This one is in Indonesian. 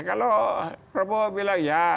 kalau repot bilang ya